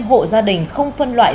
hộ gia đình không phân loại